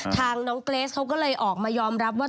ทางน้องเกรสเขาก็เลยออกมายอมรับว่า